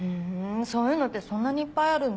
そういうのってそんなにいっぱいあるんだ。